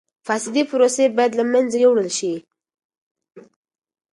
فاسدی پروسې باید له منځه یوړل شي.